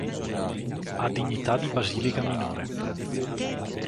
Ha dignità di basilica minore.